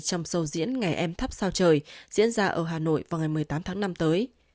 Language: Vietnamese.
trong sâu diễn ngày em thắp sao trời diễn ra ở hà nội vào ngày một mươi tám tháng năm tới